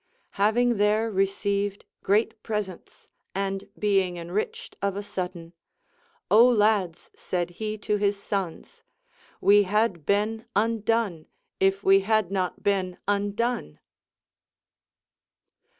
Having there received great presents, and being enriched of a sud den ; Ο lads, said he to his sons, we had been undone if we had not been undone.